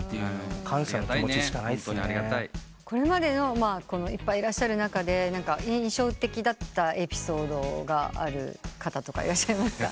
これまでのいっぱいいらっしゃる中で印象的だったエピソードがある方とかいらっしゃいますか？